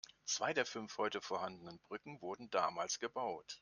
Zwei der fünf heute vorhandenen Brücken wurden damals gebaut.